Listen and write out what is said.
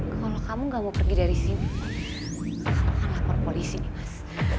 kalau kamu gak mau pergi dari sini kamu akan lapor polisi mas